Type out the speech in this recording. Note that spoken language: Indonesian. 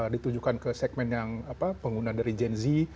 ditujukan ke segmen yang pengguna dari gen z